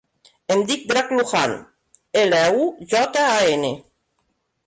Em dic Drac Lujan: ela, u, jota, a, ena.